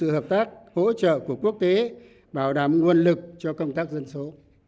hợp tác hỗ trợ của quốc tế bảo đảm nguồn lực cho công tác dân số